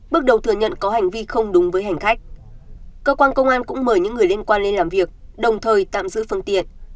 bước đầu thừa nhận có hành vi không đúng với hành khách cơ quan công an cũng mời những người liên quan lên làm việc đồng thời tạm giữ phương tiện